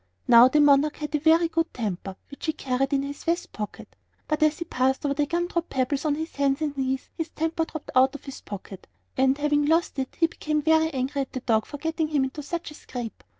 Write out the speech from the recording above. Now the monarch had a very good temper, which he carried in his vest pocket; but as he passed over the gum drop pebbles on his hands and knees this temper dropped out of his pocket, and, having lost it, he became very angry at the dog for getting him into such a scrape.